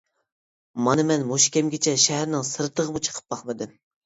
مانا مەن مۇشۇ كەمگىچە شەھەرنىڭ سىرتىغىمۇ چىقىپ باقمىدىم.